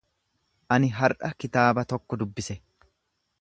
Ani har’a kitaaba tokko dubbise.